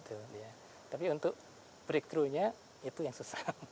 tapi untuk breaktrunya itu yang susah